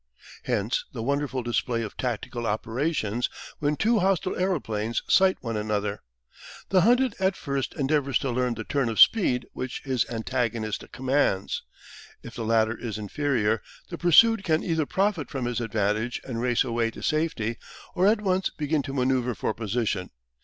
Hence the wonderful display of tactical operations when two hostile aeroplanes sight one another. The hunted at first endeavours to learn the turn of speed which his antagonist commands. If the latter is inferior, the pursued can either profit from his advantage and race away to safety, or at once begin to manoeuvre for position.